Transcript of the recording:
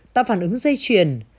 tạo phản ứng dây chuyển